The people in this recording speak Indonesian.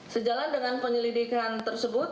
sejalan dengan penyelidikan tersebut